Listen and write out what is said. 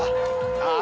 ああ！